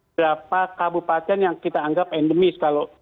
berapa kabupaten yang kita anggap endemis kalau